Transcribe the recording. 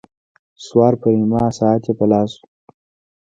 سوار پریما ساعت یې په لاس وو.